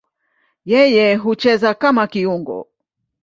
Yeye hucheza kama kiungo.